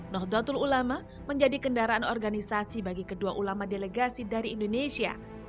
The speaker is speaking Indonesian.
nahdlatul ulama menjadi kendaraan organisasi bagi kedua ulama delegasi dari indonesia